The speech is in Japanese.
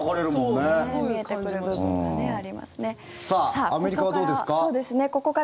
さあアメリカはどうですか？